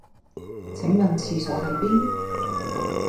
請問廁所喺邊？